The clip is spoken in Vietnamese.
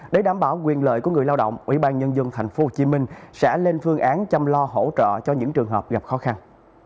để đảm bảo quyền lợi của người lao động tp hcm sẽ lên phương án chăm lo hỗ trợ cho những trường hợp gặp khó khăn